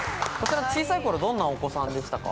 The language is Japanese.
小さい頃どんなお子さんでしたか？